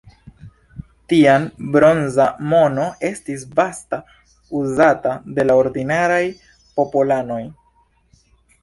Tiam bronza mono estis vasta uzata de la ordinaraj popolanoj.